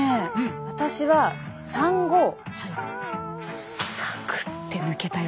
私は産後サクッって抜けたよ。